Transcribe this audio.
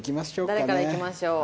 誰からいきましょう。